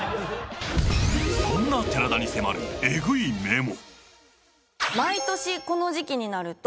そんな寺田に迫るエグいメモ。